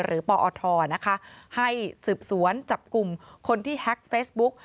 หรือปอทให้สืบสวนจับกลุ่มคนที่แฮกเฟสบุ๊ค